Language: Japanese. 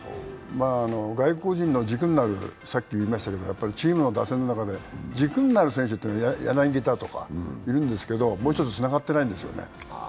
外国人の軸になるチームの打線の中で、軸になる選手は柳田とかいるんですけど、もう１つ、つながってないんですよね。